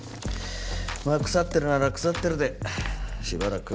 まあ腐ってるなら腐ってるでしばらくほっとけ。